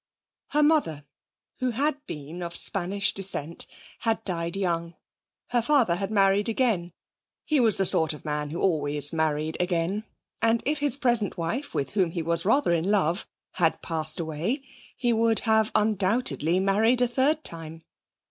Her mother, who had been of Spanish descent, had died young; her father had married again. He was the sort of man who always married again, and if his present wife, with whom he was rather in love, had passed away he would have undoubtedly married a third time.